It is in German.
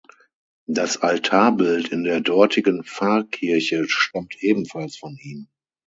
Das Altarbild in der dortigen Pfarrkirche stammt ebenfalls von ihm.